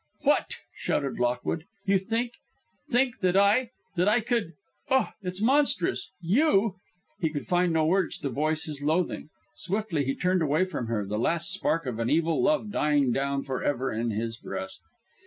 "What," shouted Lockwood, "you think think that I that I could oh h, it's monstrous you " He could find no words to voice his loathing. Swiftly he turned away from her, the last spark of an evil love dying down forever in his breast.